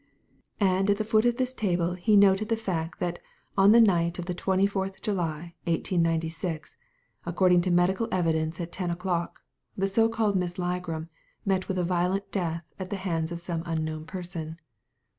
And at the foot of this table he noted the fact that on the night of the 24th July, 1896 — according to medical evidence at ten o'clock — the so called Miss Ligram met with a violent death at the hands of some unknown person.